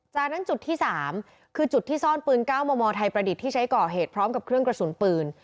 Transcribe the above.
จากนั้นจุดที่๓คือจุดที่ซ่อนปืน๙มมไทยประดิษฐ์ที่ใช้ก่อเหตุพร้อมกับเครื่องกระสุนปืน